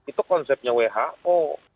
itu konsepnya who